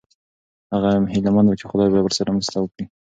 هغه هیله من و چې خدای به ورسره مرسته وکړي.